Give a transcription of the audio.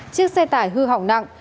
chiếc xe tải hư hỏng nặng